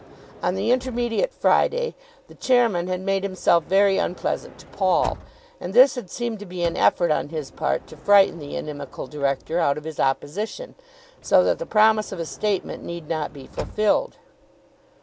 On the intermediate Friday the chairman had made himself very unpleasant to Paul, and this had seemed to be an effort on his part to frighten the inimical director out of his opposition, so that the promise of a statement need not be fulfilled.